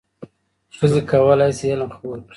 ښځې کولای شي علم خپور کړي.